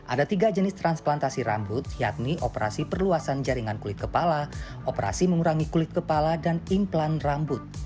ada tiga jenis transplantasi rambut yakni operasi perluasan jaringan kulit kepala operasi mengurangi kulit kepala dan implan rambut